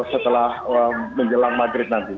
setelah menjelang madrid nanti